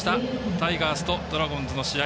タイガースとドラゴンズの試合